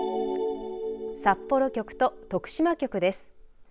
札幌局と徳島局です。